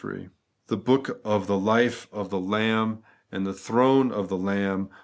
The book of life of the Lamb, and the throne of the Lamb (xxi.